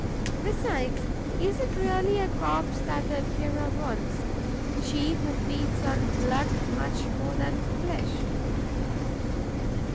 Besides, is it really a corpse that the Epeira wants, she who feeds on blood much more than on flesh?